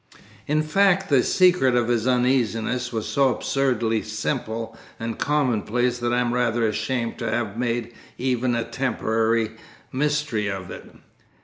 In fact, the secret of his uneasiness was so absurdly simple and commonplace that I am rather ashamed to have made even a temporary mystery of it.